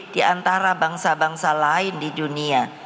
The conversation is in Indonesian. di antara bangsa bangsa lain di dunia